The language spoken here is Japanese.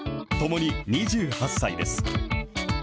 ともに２８歳です。